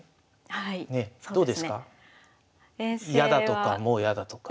やだとかもうやだとか。